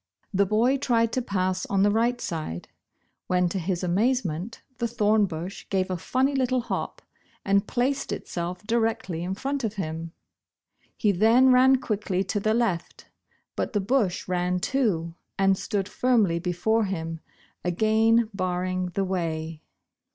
The boy tried to pass on the right side, when to his amazement, the thorn bush gave a funny little hop and placed itself directly in front of him. He then ran quickly to the left, but the bush ran too, and stood firmly before him, again barring the way.